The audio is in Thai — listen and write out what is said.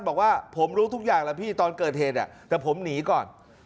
บอกว่าผมรู้ทุกอย่างแล้วพี่ตอนเกิดเหตุแต่ผมหนีก่อน